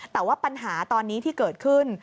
แต่ว่าปัญหาตอนนี้ที่เกิดขึ้น